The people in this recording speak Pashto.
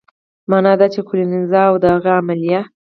معنا دا چې کولینز او د هغې عمله